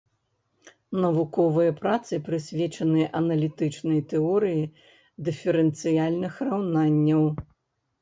Навуковыя працы прысвечаны аналітычнай тэорыі дыферэнцыяльных раўнанняў.